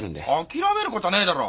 諦めることはねえだろ。